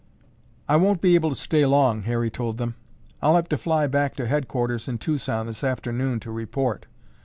"I won't be able to stay long," Harry told them. "I'll have to fly back to headquarters in Tucson this afternoon to report."